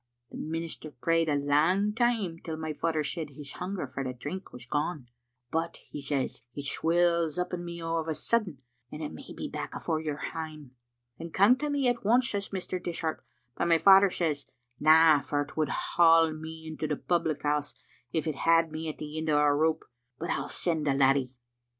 The minister prayed a lang time till my father said his hunger for the drink was gone, *but', he says, *it swells up in me o' a sudden aye, and it may be back afore you're hame. ' *Then come to me at once,' says Mr. Dishart; but my father says, *Na, for it would haul me into the public house as if it had me at the end o' a rope, but I'll send the laddie.'